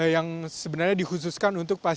yang sebenarnya dikhususkan untuk pasien